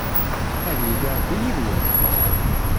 Ad yili Rebbi yid-wen!